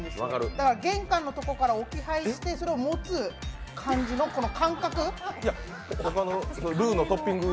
だから玄関のところから置き配してそれを持つ感じのルーのトッピング